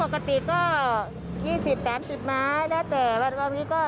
ก็ปกติก็๒๐๘๐ไม้แล้วแต่วันวันนี้ก็